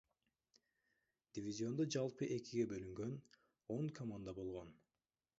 Дивизиондо жалпы экиге бөлүнгөн он команда болгон.